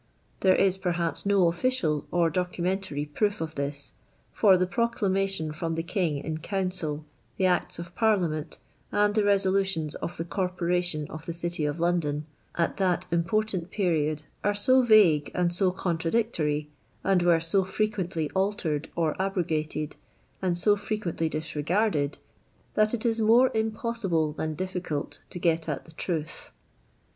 There is, per haps, no official or documentary proof of this, for the procUunations from the King in council, the Acts of Parliament, and the resolutions of the Corporation of the City of London at that im portant period, are so vague and so contradictory, and were so frequently altered or abrogated, and so frequently disregarded, that it is more impossible than difficult to get at the truth.